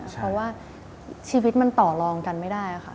เพราะว่าชีวิตมันต่อลองกันไม่ได้ค่ะ